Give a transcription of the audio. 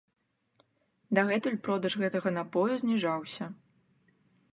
Дагэтуль продаж гэтага напою зніжаўся.